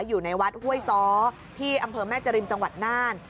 อยู่ในวัดห้วยซ้อที่อำเภอแม่จริมจังหวัดน่าน